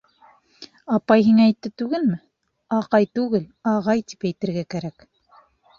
— Апай һиңә әйтте түгелме, аҡай түгел, ағай тип әйтергә кәрәк.